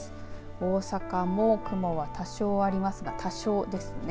大阪も雲は多少ありますが多少ですね。